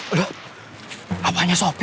udah apanya sopi